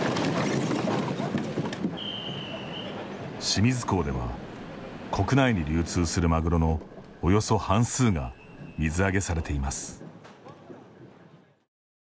清水港では国内に流通するマグロのおよそ半数が水揚げされています。